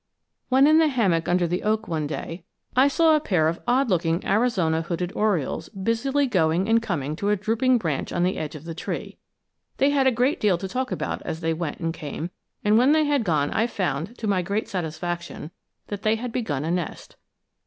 ] When in the hammock under the oak one day, I saw a pair of the odd looking Arizona hooded orioles busily going and coming to a drooping branch on the edge of the tree. They had a great deal to talk about as they went and came, and when they had gone I found, to my great satisfaction, that they had begun a nest.